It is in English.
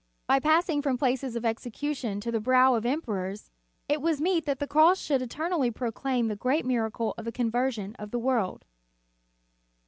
"f By passing from places of execution to the brow of emperors, it was meet that the cross should eternally proclaim the great miracle of the conversion of the world.